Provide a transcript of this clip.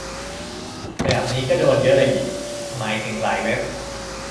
แบบนี้ก็โดนเยอะเลยดิ หมายถึงหลายเว็บ